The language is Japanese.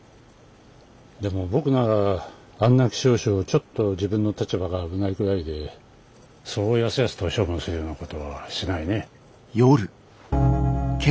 でも僕ならあんな希少種をちょっと自分の立場が危ないくらいでそうやすやすと処分するようなことはしないね。